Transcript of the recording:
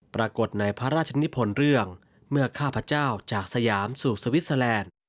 ปรากฏในพระราชนิพลเรื่องเมื่อข้าพเจ้าจากสยามสู่สวิสเตอร์แลนด์